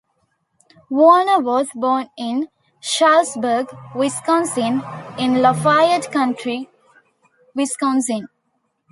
Warner was born in Shullsburg, Wisconsin, in Lafayette County, Wisconsin.